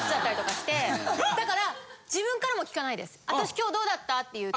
今日どうだった？って言うと。